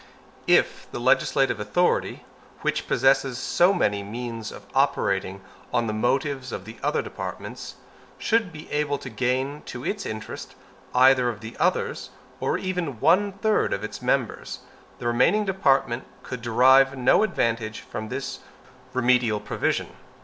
If the legislative authority, which possesses so many means of operating on the motives of the other departments, should be able to gain to its interest either of the others, or even one third of its members, the remaining department could derive no advantage from its remedial provision.